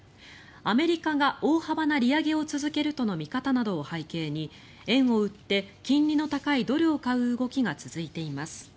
アメリカが大幅な利上げを続けるとの見方などを背景に円を売って金利の高いドルを買う動きが続いています。